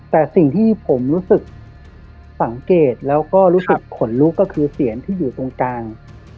แต่สิ่งที่ผมรู้สึกสังเกตแล้วก็รู้สึกขนลุกก็คือเสียงที่อยู่ตรงกลาง